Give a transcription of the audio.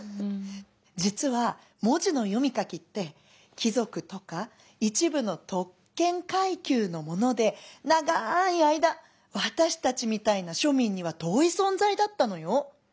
「実は文字の読み書きって貴族とか一部の特権階級のもので長い間私たちみたいな庶民には遠い存在だったのよ」。